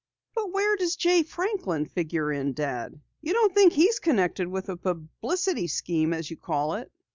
"But where does Jay Franklin figure in, Dad? You don't think he's connected with the publicity scheme as you call it!"